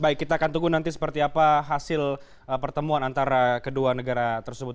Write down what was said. baik kita akan tunggu nanti seperti apa hasil pertemuan antara kedua negara tersebut